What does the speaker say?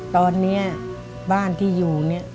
ตอนนี้บ้านที่อยู่เนี่ย